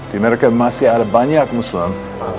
di mereka masih ada banyak muslim